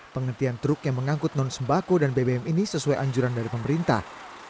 penghentian truk yang mengangkut non sembako dan bbm ini sesuai anjuran dari pemerintah